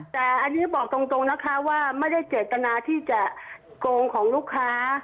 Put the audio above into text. แต่อันนี้บอกตรงนะคะว่าไม่ได้เจตนาที่จะโกงของลูกค้า